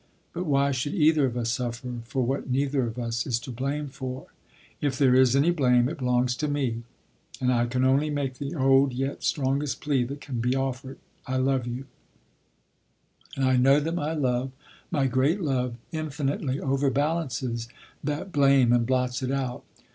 But why should either of us suffer for what neither of us is to blame for? If there is any blame, it belongs to me and I can only make the old, yet strongest plea that can be offered, I love you; and I know that my love, my great love, infinitely overbalances that blame and blots it out.